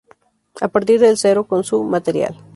A partir de cero con su material.